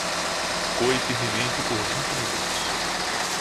Coe firmemente por vinte minutos.